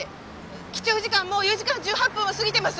帰庁時間もう４時間１８分も過ぎてます！